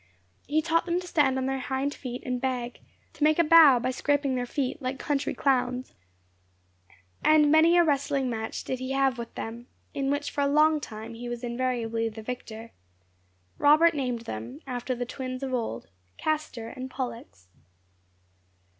He taught them to stand on their hind feet and beg; to make a bow by scraping their feet, like country clowns; and many a wrestling match did he have with them, in which for a long time he was invariably the victor. Robert named them, after the twins of old, Castor and Pollux.